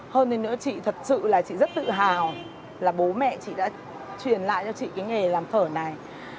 hơn thế nữa chị thật sự là chị rất tự hào là bố mẹ chị đã truyền lại cho chị cái nghề làm thợ này